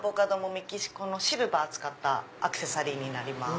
メキシコのシルバーを使ったアクセサリーになります。